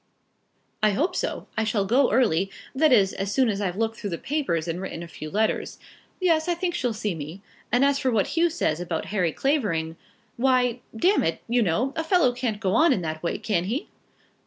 "I hope so. I shall go early, that is, as soon as I've looked through the papers and written a few letters. Yes, I think she'll see me. And as for what Hugh says about Harry Clavering, why, d it, you know, a fellow can't go on in that way; can he?"